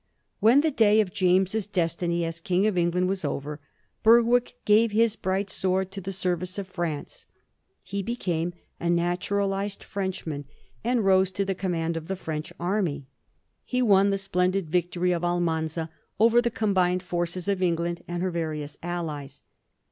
When the day of James's destiny as King of England was over, Berwick gave his bright sword to the service of France. He be came a naturalized Frenchman and rose to the command 1735. DEATH OF BERWICK. 35 of the Freuch army. He won the splendid victory of Almanza over the combined forces of England and her various allies.